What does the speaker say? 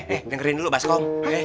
eh dengerin dulu baskong